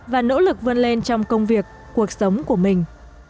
và nỗ lực vươn lên trong công việc cuộc sống của mình